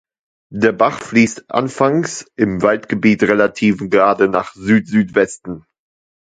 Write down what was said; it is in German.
Der Bach fließt anfangs im Waldgebiet relativ gerade nach Südsüdwesten.